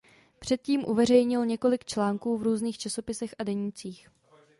Předtím uveřejnil několik článků v různých časopisech a denících.